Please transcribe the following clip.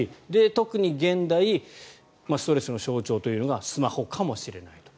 特に現代ストレスの象徴というのがスマホかもしれないと。